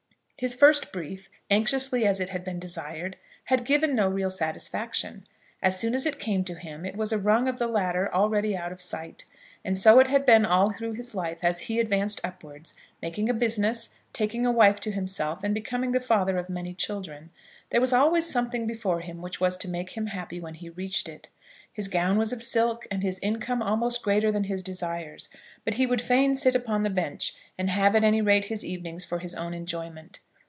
His first brief, anxiously as it had been desired, had given no real satisfaction. As soon as it came to him it was a rung of the ladder already out of sight. And so it had been all through his life, as he advanced upwards, making a business, taking a wife to himself, and becoming the father of many children. There was always something before him which was to make him happy when he reached it. His gown was of silk, and his income almost greater than his desires; but he would fain sit upon the Bench, and have at any rate his evenings for his own enjoyment.